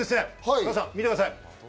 加藤さん、見てください。